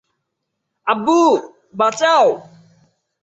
আব্বু, বাঁচাও!